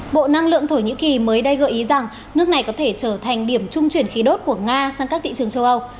bộ năng lượng thổ nhĩ kỳ mới đây gợi ý rằng nước này có thể trở thành điểm trung chuyển khí đốt của nga sang các thị trường châu âu